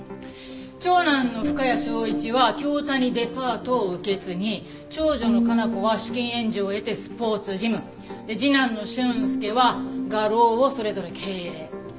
長男の深谷尚一は京谷デパートを受け継ぎ長女の佳菜子は資金援助を得てスポーツジム次男の俊介は画廊をそれぞれ経営。